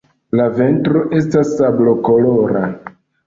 La ventro estas sablokolora.